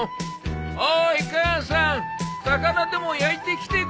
おーい母さん魚でも焼いてきてくれ。